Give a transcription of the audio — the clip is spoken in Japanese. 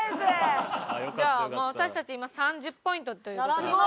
じゃあ私たち今３０ポイントという事で。